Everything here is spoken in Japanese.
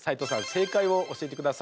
正解を教えてください。